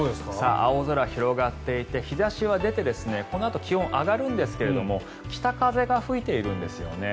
青空広がっていて、日差しは出てこのあと気温は上がるんですが北風が吹いているんですよね。